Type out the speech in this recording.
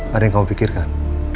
gak ada yang kamu pikirkan